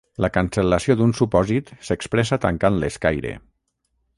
La cancel·lació d'un supòsit s'expressa tancant l'escaire.